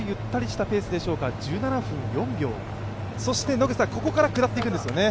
１７分４秒、ここから下っていくんですよね。